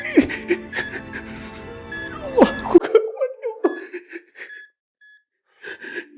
ya allah aku gak kuat ya allah